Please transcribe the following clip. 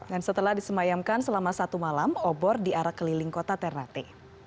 dan setelah disemayamkan selama satu malam obor di arah keliling kota ternate